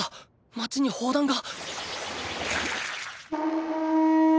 街に砲弾が！